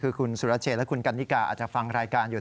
คือคุณสุรเชษและคุณกันนิกาอาจจะฟังรายการอยู่